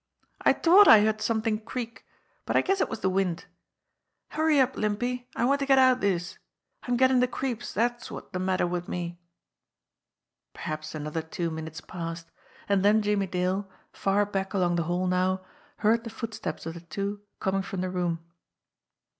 "I t'ought I heard somethin' creak, but I guess it was de wind. Hurry up, Limpy ! I wanter get out of dis. I'm gettin' de creeps, dat's wot's de matter wid me." Perhaps another two minutes passed, and then Jimmie Dale, far back along the hall now, heard the footsteps of the two coming from the room.